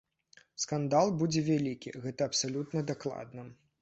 Скандал будзе вялікі, гэта абсалютна дакладна.